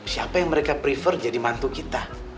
siapa yang mereka prefer jadi mantu kita